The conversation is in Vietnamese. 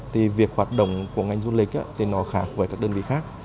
thì việc hoạt động của ngành du lịch thì nó khác với các đơn vị khác